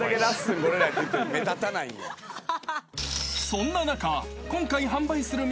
［そんな中］